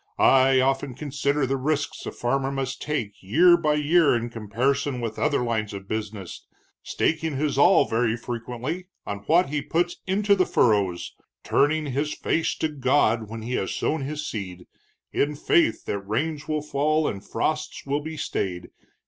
I often consider the risks a farmer must take year by year in comparison with other lines of business, staking his all, very frequently, on what he puts into the furrows, turning his face to God when he has sown his seed, in faith that rains will fall and frosts will be stayed.